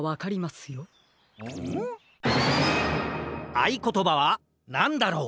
あいことばはなんだろう？